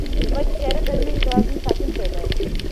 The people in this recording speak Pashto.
لمر د سیارو ترمنځ د توازن ساتونکی دی.